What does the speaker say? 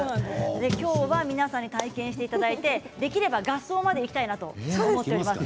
今日は皆さんに体験していただいて、できれば合奏までいきたいと思っています。